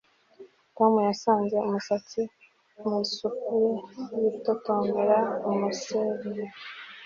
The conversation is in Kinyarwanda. Tom yasanze umusatsi mu isupu ye yitotombera umusereri